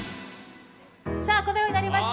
このようになりました。